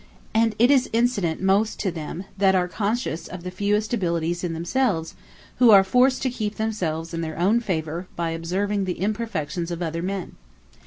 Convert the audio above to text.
And it is incident most to them, that are conscious of the fewest abilities in themselves; who are forced to keep themselves in their own favour, by observing the imperfections of other men.